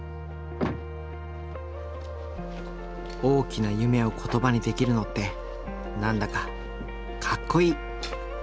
大きな夢を言葉にできるのって何だかかっこいい！